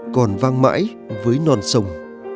còn vang mãi với non sông